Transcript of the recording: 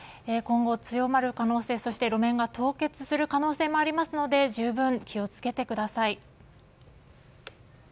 今後強まる可能性そして路面が凍結する可能性もありますので十分気を付けてください。